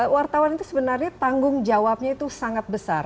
wartawan itu sebenarnya tanggung jawabnya itu sangat besar